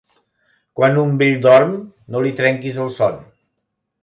Quan un vell dorm no li trenquis el son.